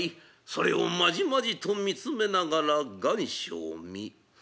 それをまじまじと見つめながら願書を見。